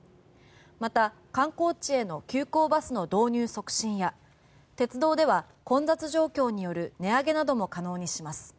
また、観光地への急行バスの導入促進や、鉄道では混雑状況による値上げなども可能にします。